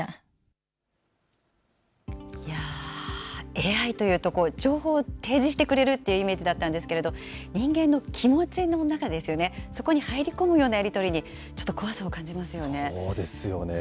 ＡＩというと、情報を提示してくれるっていうイメージだったんですけど、人間の気持ちの中ですよね、そこに入り込むようなやり取りに、ちょっとそうですよね。